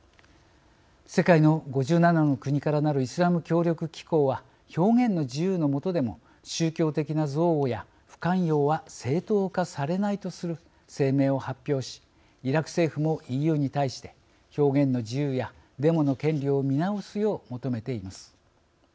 世界の５７の国からなるイスラム協力機構は表現の自由のもとでも宗教的な憎悪や不寛容は正当化されないとする声明を発表しイラク政府もＥＵに対して表現の自由やデモの権利を見直すよう求めています。